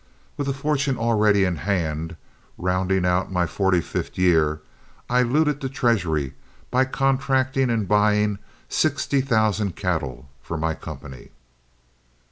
With a fortune already in hand, rounding out my forty fifth year, I looted the treasury by contracting and buying sixty thousand cattle for my company.